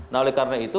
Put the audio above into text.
nah oleh karena itu